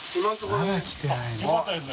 まだ来てないんだ。